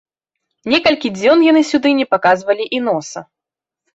Некалькі дзён яны сюды не паказвалі і носа.